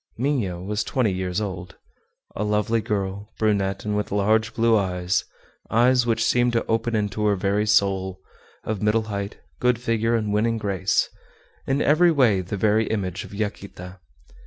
Minha was twenty years old. A lovely girl, brunette, and with large blue eyes, eyes which seemed to open into her very soul; of middle height, good figure, and winning grace, in every way the very image of Yaquita.